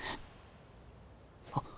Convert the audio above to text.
あっ。